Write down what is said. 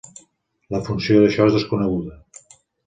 La funció d'això és desconeguda.